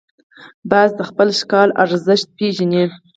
باز د خپل ښکار ارزښت پېژني